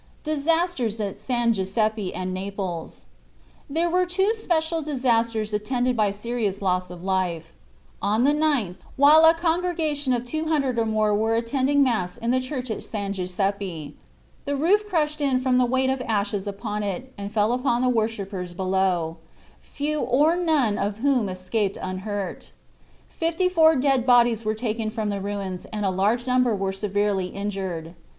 DISASTERS AT SAN GIUSEPPE AND NAPLES. There were two special disasters attended by serious loss of life. On the 9th, while a congregation of two hundred or more were attending mass in the church at San Giuseppe, the roof crushed in from the weight of ashes upon it and fell upon the worshippers below, few or none of whom escaped unhurt. Fifty four dead bodies were taken from the ruins and a large number were severely injured.